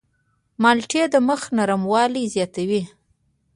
مالټې د مخ نرموالی زیاتوي.